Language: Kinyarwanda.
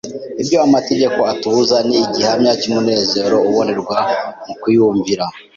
Ibyo amategeko atubuza ni igihamya cy’umunezero ubonerwa mu kuyumvira.